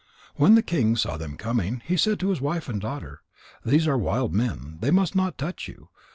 When the king saw them coming, he said to his wife and daughter: "These are wild men. They must not touch you.